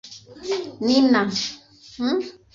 Nina